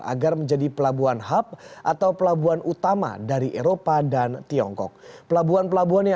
agar menjadi pelabuhan hub atau pelabuhan utama dari eropa dan tiongkok pelabuhan pelabuhan yang